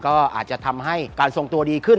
ก็อาจจะทำให้การทรงตัวดีขึ้น